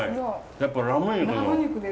やっぱラム肉の。